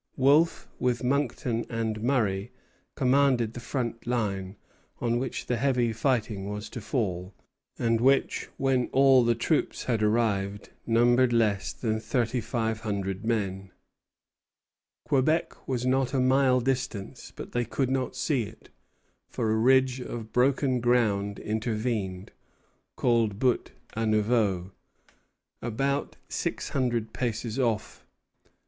Wolfe, with Monckton and Murray, commanded the front line, on which the heavy fighting was to fall, and which, when all the troops had arrived, numbered less than thirty five hundred men. See Note, end of chapter. Quebec was not a mile distant, but they could not see it; for a ridge of broken ground intervened, called Buttes à Neveu, about six hundred paces off.